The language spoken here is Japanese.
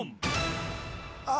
あ